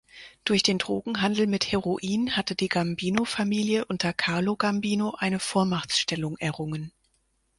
Durch den Drogenhandel mit Heroin hatte die Gambino-Familie unter Carlo Gambino eine Vormachtstellung errungen.